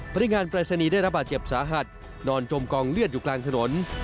พนักงานปรายศนีย์ได้รับบาดเจ็บสาหัสนอนจมกองเลือดอยู่กลางถนน